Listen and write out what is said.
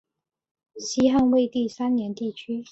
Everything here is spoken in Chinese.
西汉惠帝三年地区。